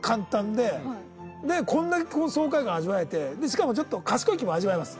でこんだけ爽快感味わえてしかもちょっと賢い気も味わえます。